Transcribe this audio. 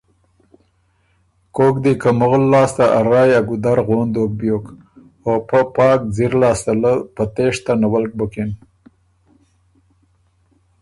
کوک دې که مغل لاسته ا رایٛ ا ګُودر غون دوک بیوک او پۀ پاک ځِر لاسته له تېشته نَوَلک بُکِن۔